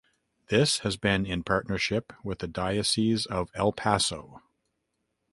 This has been in partnership with the Diocese of El Paso.